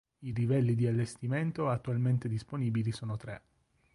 I livelli di allestimento attualmente disponibili sono tre.